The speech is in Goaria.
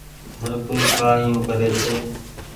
هر ڪوئي ڪآ ايو ڪري ڇي۔